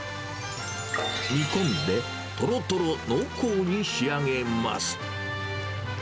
煮込んで、とろとろ濃厚に仕上げます。